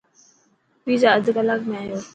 پيزا اڍ ڪلاڪ ۾ آيو.